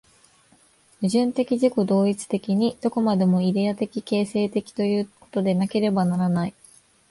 矛盾的自己同一的に、どこまでもイデヤ的形成的ということでなければならない。